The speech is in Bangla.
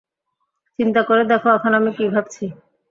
চিন্তা করে দেখো এখন আমি কী ভাবছি।